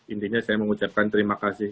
intinya saya mengucapkan terima kasih